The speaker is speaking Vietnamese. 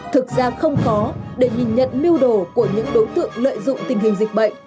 thực ra không khó để nhìn nhận mưu đồ của những đối tượng lợi dụng tình hình dịch bệnh